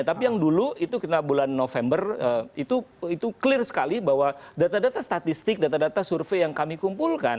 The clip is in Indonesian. tapi yang dulu itu kita bulan november itu clear sekali bahwa data data statistik data data survei yang kami kumpulkan